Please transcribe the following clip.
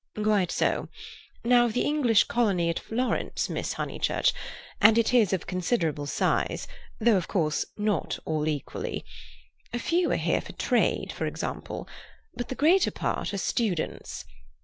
"Quite so. Now, the English colony at Florence, Miss Honeychurch—and it is of considerable size, though, of course, not all equally—a few are here for trade, for example. But the greater part are students.